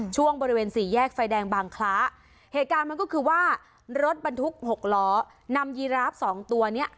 ช่วงบริเวณสี่แยกไฟแดงบางคล้าเหตุการณ์มันก็คือว่ารถบรรทุกหกล้อนำยีราฟสองตัวเนี้ย